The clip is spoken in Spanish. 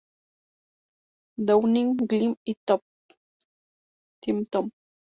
Downing y Glenn Tipton.